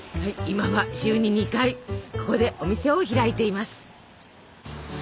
今は週に２回ここでお店を開いています。